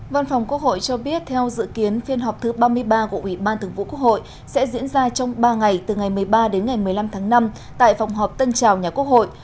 văn phòng quốc hội cho biết theo dự kiến phiên họp thứ ba mươi ba của ủy ban thường vụ quốc hội sẽ diễn ra trong ba ngày từ ngày một mươi ba đến ngày một mươi năm tháng năm tại phòng họp tân trào nhà quốc hội